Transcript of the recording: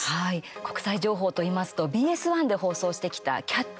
国際情報といいますとＢＳ１で放送してきた「キャッチ！